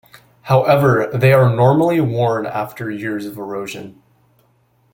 However, they are normally worn away after years of erosion.